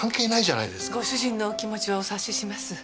ご主人のお気持ちはお察しします。